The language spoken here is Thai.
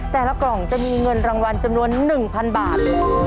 กล่องจะมีเงินรางวัลจำนวน๑๐๐๐บาท